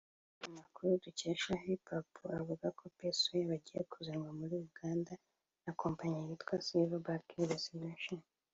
Amakuru dukesha hipipo avuga ko P-Square bagiye kuzanwa muri Uganda na kompanyi yitwa Silver Back Investment